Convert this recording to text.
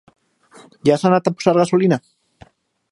Ja has anat a posar gasolina?